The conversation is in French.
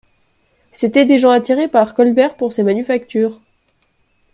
C'étaient des gens attirés par Colbert pour ses manufactures.